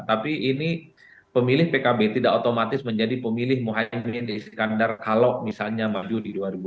tapi ini pemilih pkb tidak otomatis menjadi pemilih mohaimin di iskandar kalau misalnya maju di dua ribu dua puluh